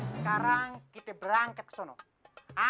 sekarang kita berangkat ke sana